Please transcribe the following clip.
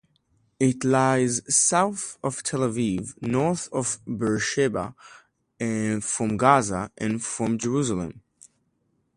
It lies south of Tel Aviv, north of Beersheba, from Gaza, and from Jerusalem.